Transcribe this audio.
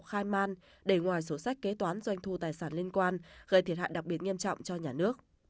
khai man để ngoài sổ sách kế toán doanh thu tài sản liên quan gây thiệt hại đặc biệt nghiêm trọng cho nhà nước